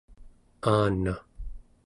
aana